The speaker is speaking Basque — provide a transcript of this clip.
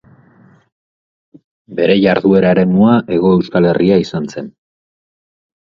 Bere jarduera-eremua Hego Euskal Herria izan zen.